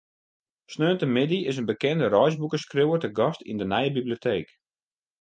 Sneontemiddei is in bekende reisboekeskriuwer te gast yn de nije biblioteek.